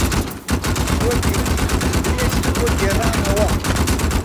چیرۆکێکی دوور و درێژی بۆ گێڕامەوە.